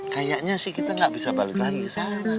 kayaknya sih kita nggak bisa balik lagi ke sana